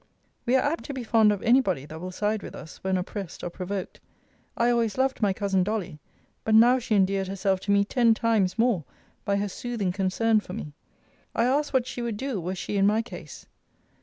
We are apt to be fond of any body that will side with us, when oppressed or provoked. I always loved my cousin Dolly; but now she endeared herself to me ten times more, by her soothing concern for me. I asked what she would do, were she in my case?